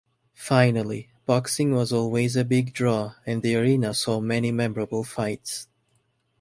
Finally, boxing was always a big draw, and the arena saw many memorable fights.